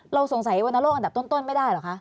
เราสงสัยวรรณโลกอันดับต้นไม่ได้เหรอคะ